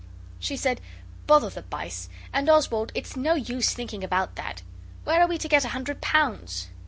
She said, 'Bother the bice! And, Oswald, it's no use thinking about that. Where are we to get a hundred pounds?